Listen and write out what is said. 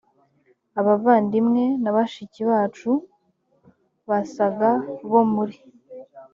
abavandimwe na bashiki bacu basaga bo muri